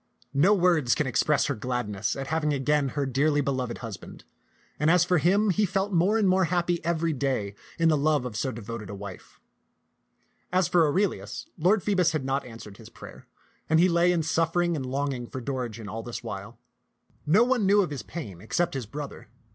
No words can express her gladness at having again her dearly beloved husband ; and as for him, he felt more and more happy every day in the love of so devoted a wife. As for Aurelius, Lord Phoebus had not answered his prayer, and he lay in suffering and longing for Dorigen all this while. No one knew of his pain except his bro ther.